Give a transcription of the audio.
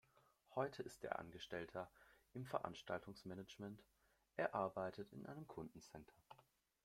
Heute ist er Angestellter im Veranstaltungsmanagement, er arbeitet in einem Kundencenter.